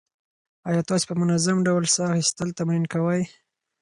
ایا تاسو په منظم ډول ساه اخیستل تمرین کوئ؟